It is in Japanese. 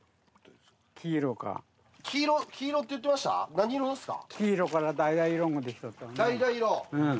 何色ですか？